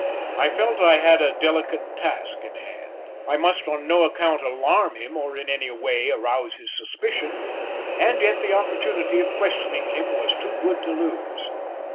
I felt I had a delicate task in hand. I must on no account alarm him or in any way arouse his suspicion, and yet the opportunity of questioning him was too good to lose.